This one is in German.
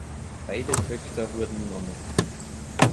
Beide Töchter wurden Nonnen.